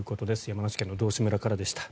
山梨県の道志村からでした。